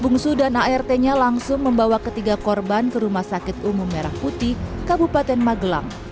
bungsu dan art nya langsung membawa ketiga korban ke rumah sakit umum merah putih kabupaten magelang